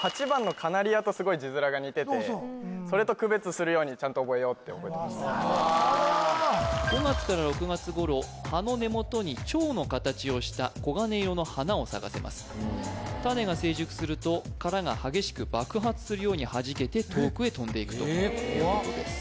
８番のカナリアとすごい字面が似ててそれと区別するようにちゃんと覚えようって５月から６月頃葉の根元にチョウの形をした黄金色の花を咲かせます種が成熟すると殻が激しく爆発するようにはじけて遠くへ飛んでいくということです